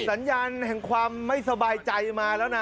สัญญาณแห่งความไม่สบายใจมาแล้วนะ